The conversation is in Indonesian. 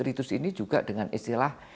ritus ini juga dengan istilah